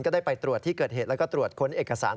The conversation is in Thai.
ได้ไปตรวจที่เกิดเหตุแล้วก็ตรวจค้นเอกสาร